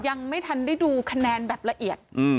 ยังไม่ทันได้ดูคะแนนแบบละเอียด